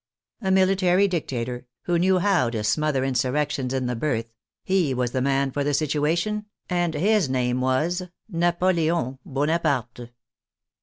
A military dictator, who knew how to smother insurrections in the birth, he was the man for the situation, and his name was — Napoleon Bonaparte.